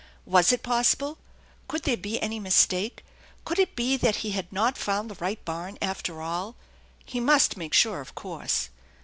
Was it possible ? Could there be any mistake ? Could it be that he had not found the right barn, after all? He must make sure, of course.